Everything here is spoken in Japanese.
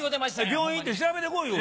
病院行って調べて来いよ。